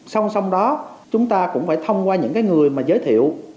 xong xong đó chúng ta cũng phải thông qua những người giới thiệu